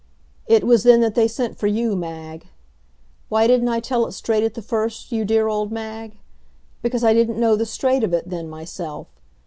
It was then that they sent for you, Mag. Why didn't I tell it straight at the first, you dear old Mag? Because I didn't know the straight of it, then, myself.